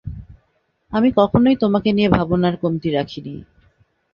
আমি কখনোই তোমাকে নিয়ে ভাবনার কমতি রাখিনি।